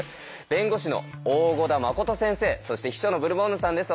弁護士の大胡田誠先生そして秘書のブルボンヌさんです。